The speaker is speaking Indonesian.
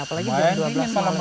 apalagi jam dua belas malam